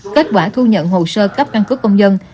kết quả thu nhận hồ sơ cấp căn cứ công dân